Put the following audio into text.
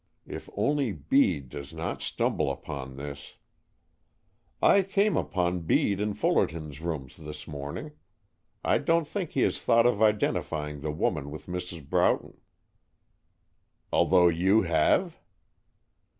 If only Bede does not stumble upon this, " "I came upon Bede in Fullerton's rooms this morning. I don't think he has thought of identifying the woman with Mrs. Broughton." "Although you have?"